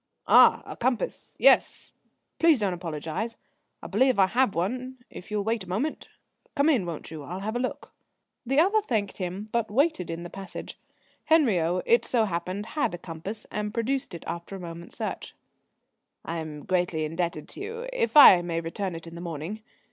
"Ah, a compass, yes! Please don't apologise. I believe I have one if you'll wait a moment. Come in, won't you? I'll have a look." The other thanked him but waited in the passage. Henriot, it so happened, had a compass, and produced it after a moment's search. "I am greatly indebted to you if I may return it in the morning.